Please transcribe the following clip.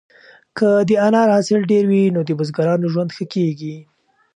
که د انار حاصل ډېر وي نو د بزګرانو ژوند ښه کیږي.